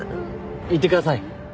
行ってください。